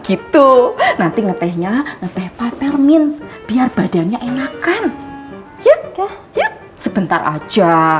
gitu nanti ngetehnya ngeteh papel mint biar badannya enakan ya authorized sebentar aja